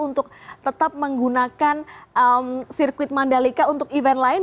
untuk tetap menggunakan sirkuit mandalika untuk event lain